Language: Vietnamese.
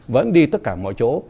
vẫn đi tất cả mọi chỗ